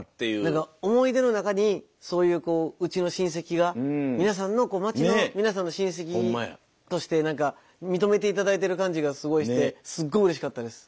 何か思い出の中にそういうこううちの親戚が皆さんのこう町の皆さんの親戚として何か認めて頂いてる感じがすごいしてすごいうれしかったです。